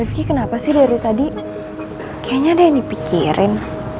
rifki kenapa sih dari tadi kayaknya ada yang dipikirin